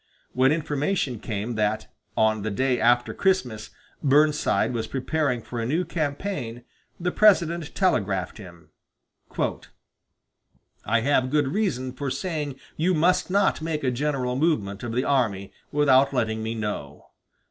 When information came that, on the day after Christmas, Burnside was preparing for a new campaign, the President telegraphed him: "I have good reason for saying you must not make a general movement of the army without letting me know."